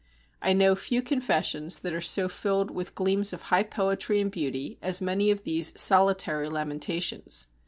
I know few confessions that are so filled with gleams of high poetry and beauty as many of these solitary lamentations.